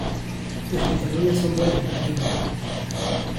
Las vitaminas son buenas para tí.